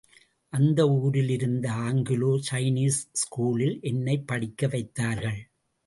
அந்த ஊரிலிருந்த Anglo Chinese ஸ்கூலில் என்னைப் படிக்க வைத்தார்கள்.